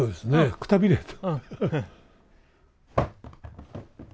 くたびれた。